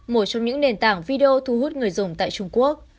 một trong những nền tảng video thu hút người dùng tại trung quốc